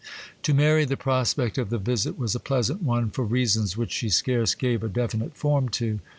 To Mary the prospect of the visit was a pleasant one, for reasons which she scarce gave a definite form to.